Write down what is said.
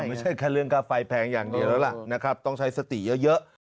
ไม่ใช่แค่เรื่องค่าไฟแพงอย่างเดียวแล้วล่ะนะครับต้องใช้สติเยอะ